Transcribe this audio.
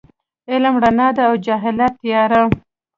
علم رڼا ده او جهالت تیاره.